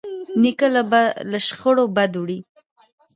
نیکه له شخړو بد وړي.